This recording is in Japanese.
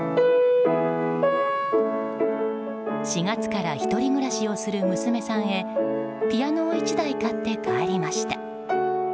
４月から１人暮らしをする娘さんへピアノを１台買って帰りました。